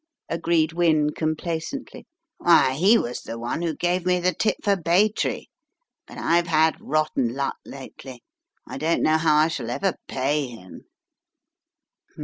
agreed Wynne, complacently, "why, he was the one who gave me the tip for Baytree — but I've had rotten luck lately. I don't know how I shall ever pay him."